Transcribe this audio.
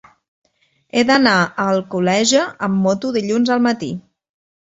He d'anar a Alcoleja amb moto dilluns al matí.